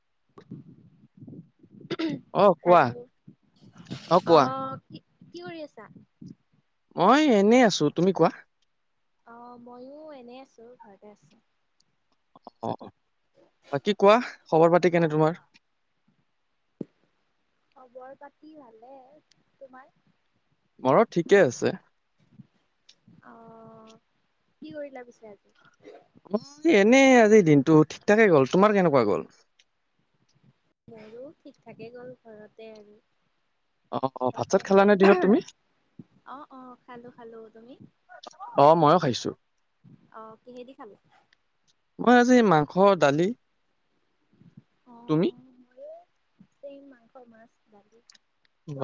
[inaudible] অ কোৱা হেল্ল' অ কোৱা? কি কৰি আছা? মই এনেই আছো, তুমি কোৱা? অ মইয়ো এনে আছো, ঘৰতে আছো। অ বাকী কোৱা, খবৰ পাত কেনে তোমাৰ? খবৰ পাতি ভালে, তোমাৰ? বৰ ঠিকেই আছে। অ কি কৰিলা পিছে আজি? অ এনেই আজিৰ দিনটো ঠিক ঠাকে গ'ল তোমাৰ কেনেকুৱা গ'ল? আৰু ঠিক ঠাকে গ'ল ঘৰতে আৰু। অ অ ভাত চাত ঘৰতে আছো খালানে দিনত তুমি আহ আহ খালো খালো তুমি অ ময়ো খাইছো আহ কিহেদি খালো। খ, দালি তুমি? অ' [unintelligible]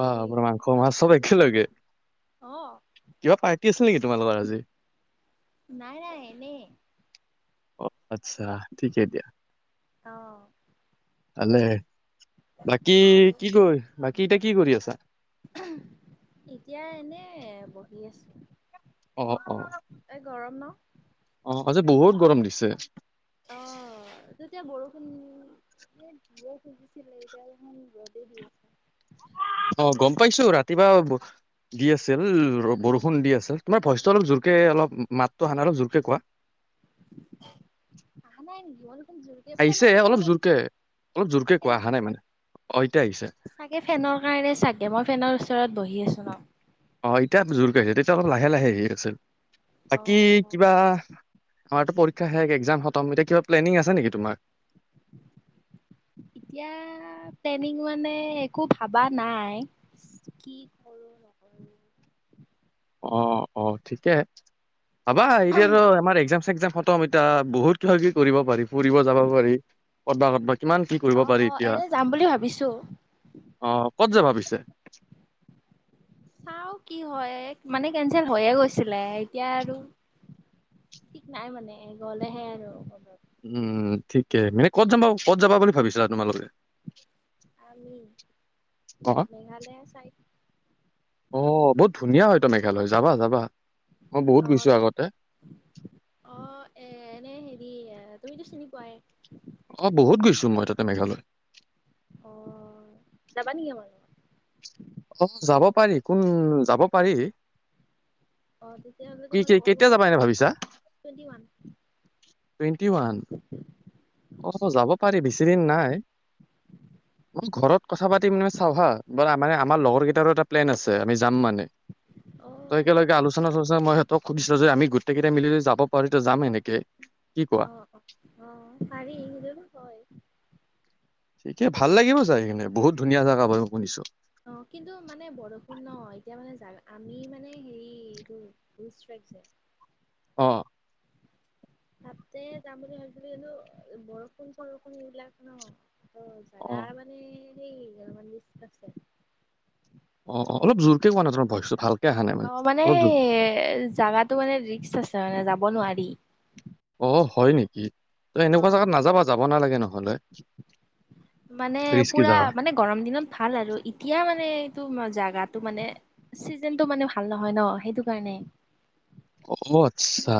বা পুৰা মাংস মাছ চব খালোঁ। একেলগে অ' কিবা পাৰ্টি আছিল নেকি। তোমালৰ আজি। নাই নাই এনে। অ আচ্ছা ঠিকে দিয়া। অ। আলে। বাকী আৰু কি কয় বাকী এতিয়া। কি কৰি আছা। এতিয়া এনে বহি আছো। অ অ। [unintelligible] অ আজি বহুত গৰম দিছে। হোম এ বষুন দিছিলে এতিয়া দেখোন ৰদে দি আছে। অ গম পাইছো ৰাতিপুৱা দি আছিল বৰষুণ দি আছিল তোমাৰ ভইচটো অলপ জোৰকে অলপ মাতটোহ নাই অলপ জোৰকে কোৱা। আহা নাই নেকি অন যোৰকে ফেন আহিছে অলপ ওছৰ জোৰকে অলপ জোৰকে কোৱা ফেন অহা নাই মানে অ এতিয়া আহিছে চাগে ফেনৰ কাৰণে চাগে মই ফেনৰ ওচৰত বহি আছো। ন অ এতিয়া জোৰকে আহিছে তেতিয়া অলপ লাহে লাহে আহি আছিল। আকী অ', কিবা আমাৰতো পৰীক্ষা হে এক্সাম হ। তম এতিয়া প্লেনিং আছে নেকি তোমাৰ। এতিয়া, প্লেনিং মানে একো ভাবা নাই কি কৰো অ! অ! ঠিকে। ভাবা, এতিয়া ত' আমাৰ একজাম চেকজাম খতম এতিয়া, বহুত কিবা কিবি কৰিব পাৰি। ফুৰিব যাব পাৰি। কতবা কতবা কিমান কি কৰিব অ! পাৰি অ! এতিয়া এনে যাম বুলি ভাবিছো। অ কত যাবা পিছে? চাও কি হয় মানে কেনচেল হয়ে গৈছিলে এতিয়া আৰু ঠিক নাই মানে গলেহে আৰু। উম ঠিকে মানে ক'ত যামবা ক'ত যাবা বুলি ভাবিছিলা তোমালোকে। আমি অ মেঘালয়া চাইত। অ বহুত ধুনীয়া হয়তো মেঘালয় যাবা যাবা। মই বহুত অ গৈছো আগতে অ এ-এনে সে। সি আ তুমিতো চিনি পোৱাই। অ বহুত গৈছো মই তাতে মেঘালয়। অ, যাবা নেকি আমা ল। অ, যাব পাৰি কোন যাব পাৰি। অ তেতিয়াহ'লে তোমাৰ লগৰ কি-কে-কেতিয়া কোনোবা যাবা এনে ভাবিছা, টুৱেণ্টি ওৱান টুৱেণ্টি ওৱান, অ যাব পাৰি বেছিদিন নাই। মই ঘৰত কথা পাতি মানে চাও হা [unintelligible] আমাৰ লগৰকেইটাৰো এটা প্লেন আছে আমি যাম মানে অ ত একেলগে আচ্ছা আলোচনা-চলোচনা [unintelligible] মই ত' খুজিছে যে আমি গোটেইকেইটা মিলি যাব পাৰি তো যাম এনেকে [unintelligible] কোৱা আহ অ আহ পাৰি হয় ঠিকে ভাল লাগিব চাগে বহুত [unintelligible] বহুত ধুনীয়া জাগা হয় শুনিছো। অ কিন্তু মানে বৰষুণ ন! এতিয়া মানে আমি মানে হেৰি এইটো বজ যে [unintelligible] অ। তাতে তাৰমানে [unintelligible] ভি এই বৰষুণ চৰষুণ এইবিলাক ন অ [unintelligible] [unintelligible] [inaudible] অ! অ! অলপ জোৰকে কোৱা না তোমাৰ ভইচটো ভাল [unintelligible] অ, মানে সেই জাগাটো মানে ৰিক্স আছে মানে 'ব নোৱাৰি। অ হয় নেকি। তই অ এনেকুৱা জেগাত নাযাবা যাব নালাগে নহ'লে মানে ৰিস্কি পুৰা জাগা মানে গৰম দিনত ভাল আৰু এতিয়া মানে জাগাটো মানে চিজন টো মানে ভাল নহয় ন' সেইটো কাৰণে!। অ আচ্ছা।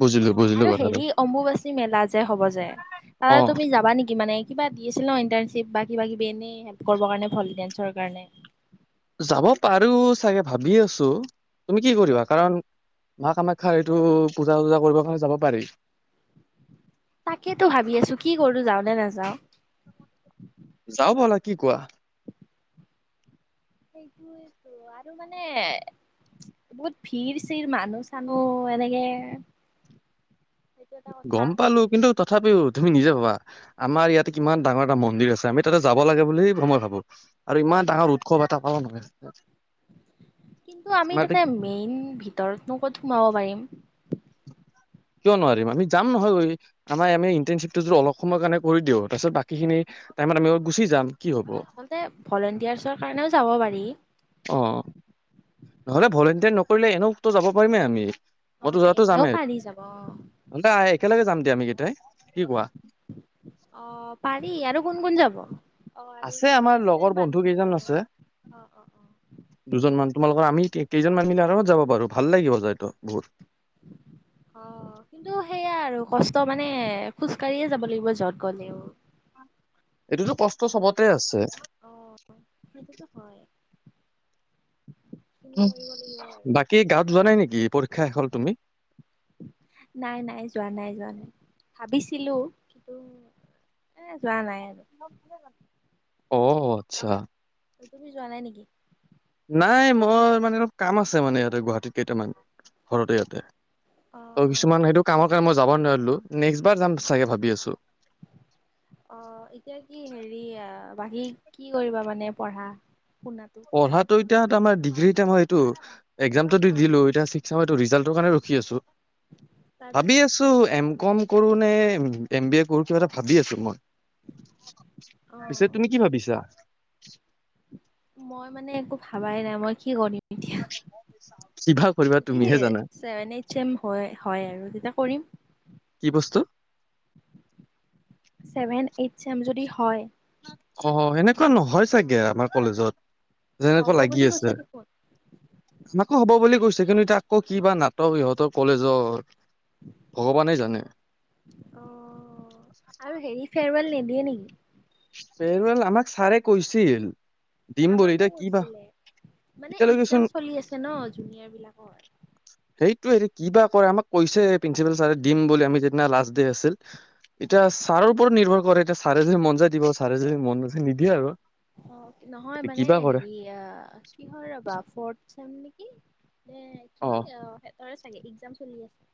বুজিলো অ' বুজিলো আৰু কথাটো হেৰি অম্বুবাচী মেলা যে হব যে তাৰ অ তুমি যাবা নেকি মানে। কিবা দি আছিল ন ইণ্টাৰ্ণশ্বিপ বা কিবা কিবি এনে হেল্প কৰিবৰ কাৰণে ভলঞ্চৰ কাৰণে। যাব পাৰো চাগে ভাবি আছো তুমি কি কৰিবা? কাৰণ মা কামাখ্যা এইটো পূজা চূজা কৰিব কাৰণে যাব পাৰি। তাকেতো ভাবি আছো কি কৰো যাও নে নাজাওঁ? যাওঁ। যাওঁ বলা কি কোৱা। সেইটোয়েই আৰু মানে বহুত ভিৰ -চিৰ মানুহ- চানুহ এনেকে। সেইটো এটা কথা গম পালো কিন্তু‌ তথাপিও তুমি নিজে ভাবা আমাৰ ইয়াতে কিমান ডাঙৰ এটা মন্দিৰ আছে। আমি তাতে যাব লাগে বুলি ময় ভাবো আৰু ইমান ডাঙৰ উৎসৱ এটা পাবা মানে। কিন্তু আমি ইয়াতে তাতে মেইন ভিতৰত ন ক'ত সোমাব পাৰিম। কিয় নোৱাৰিম আমি যাম নহয় গৈ আমাৰ আমি ইণ্টাৰশিপটো অলপ সময়ৰ কাৰণে কৰি দিওঁ। তাৰপিছত বাকীখিনি টাইমত আমি গুচি যাম। কি হ'ব আচলতে ভলেণ্টিয়াৰ্চৰ কাৰণেও যাব পাৰি। অ নহ'লে ভলেণ্টিয়াৰ নকৰিলে এনেওতো যাব পাৰিমে আমি। মইতো অ' যোৱাতো এনেওঁ যামেই পাৰি যাব। নহ'লে একেলগে যাম দিয়া আমি কেইটাই। কি কোৱা অ' পাৰি আৰু কোন- কোন যাব? অ আৰু আছে তো আমাৰ আছে লগৰ বন্ধু মানুহ অ কেইজন আছে, অ অ অ। দুজন মান তোমালোকৰ আমি কেইজন মান মিলি আৰামত যাব পাৰো ভাল লাগিব। যাইতো বহুত। অ' কিন্তু সেইয়া আৰু কষ্ট মানে খোজ কাঢ়িয়ে যাব লাগিব যত গ'লেওঁ। এইটোতো কষ্ট চবতে আছে অ'হ সেইটোতো হয়। সেইখিনি কৰিব লাগিব আৰু। বাকী গাওঁ ত যোৱা নাই নেকি? পৰীক্ষা শেষ হ'ল তুমি নাই, নাই যোৱা নাই, যোৱা নাই। ভাবিছিলো কিন্তু এ! যোৱা নাই আৰু অ' আচ্ছা। তুমি যোৱা নাই নেকি? নাই মোৰ মানে অলপ কাম আছে মানে ইয়াতে গুৱাহাটীত কেইটামান ঘৰতে ইয়াতে। অ ত কিছুমান সেইটো কামৰ কাৰণে মই যাব নোৱাৰিলো নেক্সট বাৰ যাম চাগে ভাবি আছো অ এতিয়া কি হেৰি বাকী কি কৰিবা মানে পঢ়া শুনাটো? পঢ়াটো এতিয়া ত আমাৰ ডিগ্ৰীতে মই এইটো একজাম টো ত দিলো এতিয়া ছিক্স চেমৰ ৰিজাল্টৰ কাৰণে ৰখি আছোঁ। তাৰপিছত ভাবি আছো এম কম কৰো নে এম বি এ কৰো কিবা এটা ভাবি আছো মই। পিছে অ', তুমি কি ভাবিছা? [unintelligible] মই মানে একো ভাবাই নাই মই কি কৰিম এতিয়া [unintelligible] কৰিবা যদি তুমিহে জানা চেভেন এইট চেম হয়, হয় আৰু তেতিয়া কৰিম। কি বস্তু ছেভেন এইট চেম চম যদি হয় অ সেনেকুৱা নহয় চাগে আমাৰ কলেজত। হ'ব যেনেকা লাগি বুলি আছে কৈছে দেখোন আমাকো হব বুলি কৈছে আকৌ কিবা নাটক ইহঁতৰ কলেজৰ ভগৱানে জানে অ আৰু হেৰি ফেৰৱেল নিদি য়ে নেকি? ফেৰৱেল আমাক ছাৰে কৈছিল দিম বুলি আমাকো এতিয়া কি বা কৈছিল, মানে এতিয়ালৈকেচোন এক্জাম চলি আছে ন জুনিয়ৰ বিলাকৰ। সেইটো সেইটো কি বা কৰে আমাক কৈছে প্ৰিঞ্চিপাল ছাৰে দিম বুলি আমি যিদিনা লাষ্ট ডে‌ আছিল, এতিয়া ছাৰৰ ওপৰত নিৰ্ভৰ কৰে এতিয়া ছাৰে যী মন যায় দিব ছাৰে যী মন নাযায় নিদিয়ে আৰু। অ নহয় এ মানে কিবা কৰে হেৰি আহ কি হয় ৰবা ফৌৰ্থ চেম নকি নে কি অ হয় চাগে এক্জাম চলি আছে।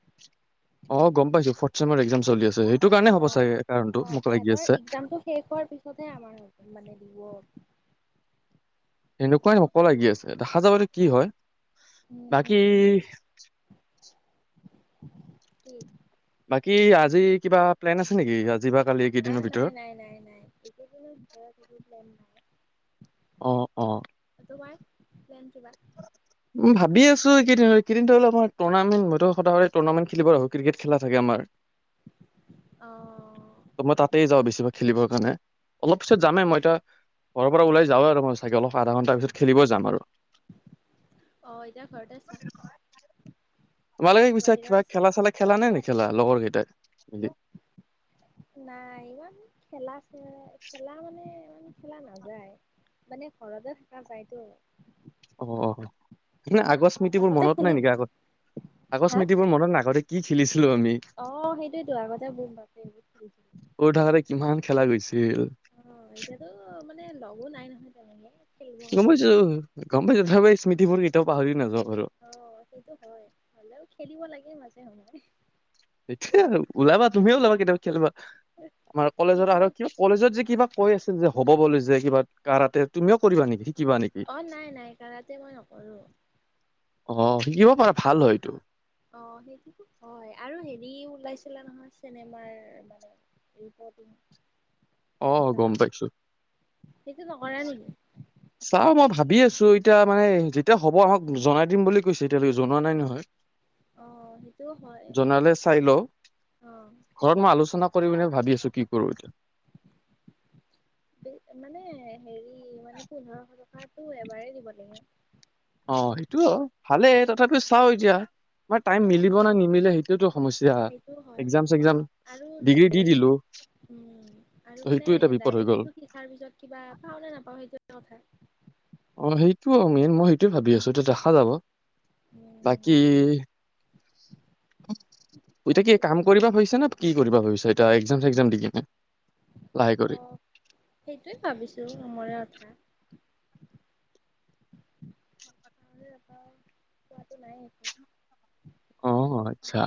অ গম পাইছো ফৌৰ্থ চেমাৰ একজাম চলি আছে সেইটো কাৰণে হ'ব অ চাগে কাৰণটো অ মোক লাগি ইহঁতৰ আছে। এক্জামটো শেষ হোৱাৰ পিছতহে আমাৰ মানে দিব। সেনেকুৱাই হব লাগি আছে দেখা যাব এতিয়া কি হয়। উম উম বাকী উম। কি? বাকী আজি কিবা প্লেন আছে নেকি আজি বা কালি আহ এইকেইদিনৰ নাই ভিতৰত? নাই নাই নাই এইকেইদিনত ঘৰত একো প্লেন নাই অ অ তোমাৰ [unintelligible] ভাবি আছো এইকেইদিন এইকেইদিনটো অলপমান টৰ্নামেন্ট সদৌ টনামেন্ট খেলিব আহো ক্ৰিকেট খেলা থাকে আমাৰ অ ত মই তাতেই যাওঁ বেছিভাগ খেলিবৰ কাৰণে অলপ পিছত যামেই মই ত ঘৰৰ পৰা ওলাই যাওঁ আৰু মই চাগে অলপ আধা ঘণ্টা পিছত খেলিব যাম আৰু অ এতিয়া ঘৰত আছা ভালে নে হৈছে বাহিৰত কিবা আছা খেলা চেলা খেলা নাই খেলা লগৰ কেইটাই মিলি নাই ইমান খেলা এ খেলা মানে খেলা নাযায় মানে ঘৰতে থকা যায়তো অ অ এ আগ স্মৃতিবোৰ আচলতে মনত নাই খেলি নেকি আগত আগ হা স্মৃতিবোৰ মনত নাই আগতে কি খেলি অ সেইটোৱেতো আগতে গম পামে। সৰু থাকোতে কিমান খেলা গৈছে অ এতিয়া তো মানে লগো নাই নহয় তেনেকে। খেলিবৰ গম কাৰণে পাইছোঁ গম পাইছোঁ স্মৃতিবোৰ কেতিয়াও পাহৰি নাযাওঁ। আৰু অ সেইটো হয় হলেও খেলিব লাগে মাজে [unintelligible] এতিয়া ওলাবা তুমিয়ে ওলাবা কেতিয়াবা খেলিবা আমাৰ কলেজৰ কিন্তু আৰু মই কিবা কলেজত যে কিবা কৈ আছিল যে হ'ব বলি যে কিবা কাৰাতে তুমিও কৰিবা নেকি? শিকিবা নেকি অ নাই নাই কাৰাতে মই নকৰোঁ। অ শিকিব পাৰা ভাল হয় টো। উম সেইটো তো হয় আৰু হেৰি ওলাইছিলে নহয় চিনেমাৰ মানে ৰিপৰ্টিং। অ কিবা গম পাইছো। সেইটো নকৰা নেকি চও মই ভাবি আছো এতিয়া মানে যেতিয়া হ'ব আহক জনাই দিম বুলি কৈছে এতিয়ালৈকে জনোৱা নাই নহয়। অ সেইটোও হয় জনালে চাই লওঁ অ ঘৰত মই আলোচনা কৰি মনে ভাবি আছো কি কৰো। মানে হেৰি মানে পোন্ধৰশ টকা টো এবাৰ দিব লাগে। অ সেইটো ভালে তথাপিও চাও এতিয়া। আমাৰ টাইম অ মিলিব নে নিমিলে সেইটোৱেতো সমস্যা সেইটো হয় এক্সাম চেক্সাম আৰু ডিগ্ৰী দি দিলো ডাৰেক উম ত আৰু সেইটো মানে এটা বিপদ হৈ ডাইৰে্ক আৰু মানে গ'ল। সেইটো শিকাৰ পিছত কিবা পাওঁ নে নাপাওঁ সেইটো কথা। অ সেইটোও মেইন মই সেইটোয়ে ভাবি আছো এতিয়া দেখা যাব। উম বাকী। এতিয়া কি বাকী কাম কৰিবা হৈছে নে? কি কৰিব ভাবিছ এটা এক্জাম চেক্জাম দি কিনে। লাহে কৰি? অ সেইটোয়ে ভাবিছো অমৰে কথা। পোৱাটো নাই একো। অ আচ্ছা।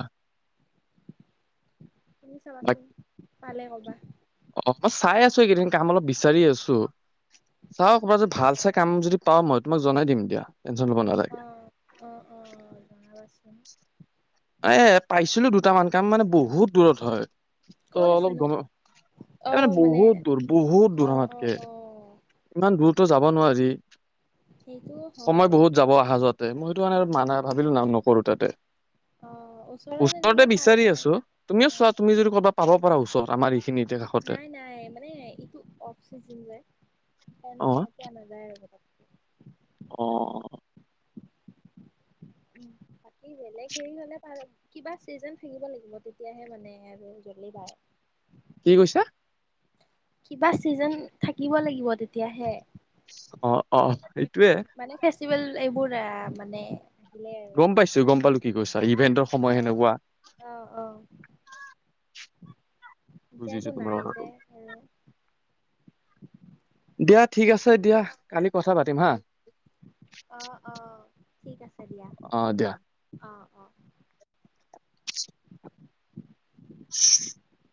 তুমি বাট চাবাচোন পালে ক'বা অ চাই আছো এইকেইদিন কাম অলপ বিচাৰি আছো চাও কবাত যদি ভাল চা ই কাম য দি পাওঁ মই তোমাক জনাই দিম দিয়া। টেনচন ল'ব অ নালাগে। [inaudible] অ অ জনাবাচোন এ পাইছিলো দুটামান কাম মানে বহুত দূৰত হয়। ত' ক'ত অলপ আছেনো গম এই মানে বহুত দূৰ- বহুত দূৰ অ অ আমাতকে। অ ইমান দূৰতো যাব নোৱাৰি যি। সেইটোও সময় হয় বহুত যাব আহা জোৱাত। তে মই সেইটো ম মানা ভাবিলো না নকৰো তাতে। অ ওচৰত ওচৰতে এনেকে বিচাৰি পালে আছো, অ তুমিও চোৱা তুমি যদি ক'বা পাব পৰা ওচৰত আমাৰ ই নাই-নাই মানে এইটো অফ চিজন যে। অ। [unintelligible] [inaudible] অ উম। কি বেলেগ হেৰি হ'লে পাৰে। কিবা চিজন থাকিব লাগিব, তেতিয়াহে মানে আৰু। [unintelligible] কি কৈছা। কিবা চিজন থাকিব লাগিব তেতিয়া অঁ -অঁ। মানে ফেষ্টিভেল এইবোৰ এ মানে আহিলে আৰু গম পাইছো গম পালো কি কৈছ ইভেন্টৰ অ সময় সেনেকুৱা অ অ এতিয়া বুজিছো একো তোমাৰ নাই কথাটো যে আৰু। দিয়া ঠিক আছে, দিয়া কালি কথা পাতিম হা। অঁ -অঁ, ঠিক আছে দিয়া অঁ দিয়া। অ', অ'। [inaudible]